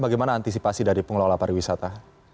bagaimana antisipasi dari pengelola pariwisata